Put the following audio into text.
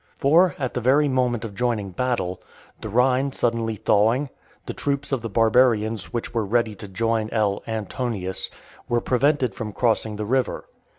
For, at the very moment of joining battle, the Rhine suddenly thawing, the troops of the barbarians which were ready to join L. Antonius, were prevented from crossing the river.